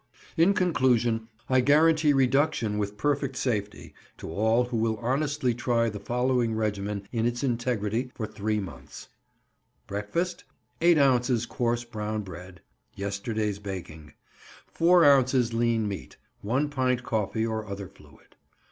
In conclusion, I guarantee reduction with perfect safety to all who will honestly try the following regimen in its integrity for three months:— Breakfast—Eight ounces coarse brown bread (yesterday's baking); four ounces lean meat; one pint coffee or other fluid.